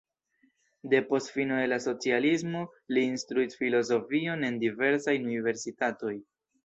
Depost fino de la socialismo li instruis filozofion en diversaj universitatoj.